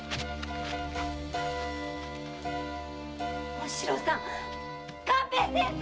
紋四郎さん勘兵衛先生！